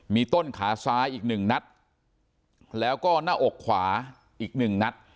มีต้นขาซ้ายอีกหนึ่งนัดแล้วก็หน้าอกขวาอีกหนึ่งนัด